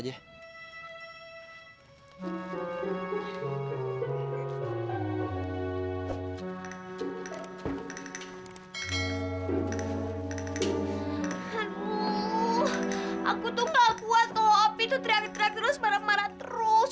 aduh aku tuh nggak kuat kalau opi tuh teriak teriak terus marah marah terus